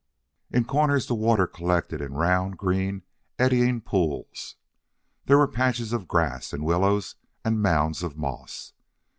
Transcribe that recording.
In corners the water collected in round, green, eddying pools. There were patches of grass and willows and mounds of moss.